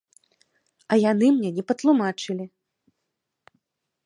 А яны мне не патлумачылі!